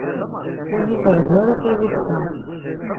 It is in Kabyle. Ur yi-terza ara taluft-a.